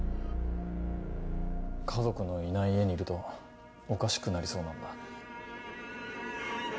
家族のいない家にいるとおかしくなりそうなんだ。